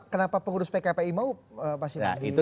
kenapa pengurus pkpi mau